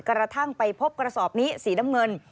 กระทั่งไปพบกระสอบนี้สีน้ำเงิน